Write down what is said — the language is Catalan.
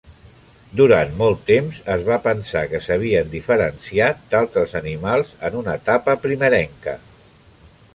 Durant molt temps es va pensar que s'havien diferenciat d'altres animals en una etapa primerenca.